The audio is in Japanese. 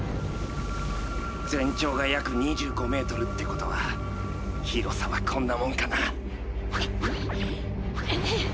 全長が約２５メートルってことは広さはこんなもんかな。